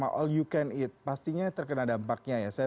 alus kuliner kenapa sedang ada betul itu bapak yaooo